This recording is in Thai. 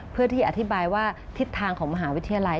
เพื่อที่อธิบายว่าทิศทางของมหาวิทยาลัย